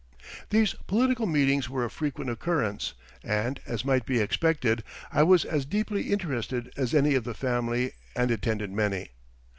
These political meetings were of frequent occurrence, and, as might be expected, I was as deeply interested as any of the family and attended many.